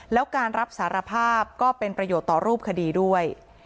แล้วการรับสารภาพก็เป็นประโยชน์ต่อรูปคดีด้วย